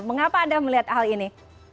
mengapa anda melihat hal ini